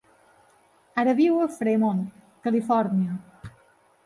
Ara viu a Fremont, Califòrnia.